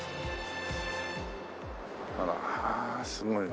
あらすごいね。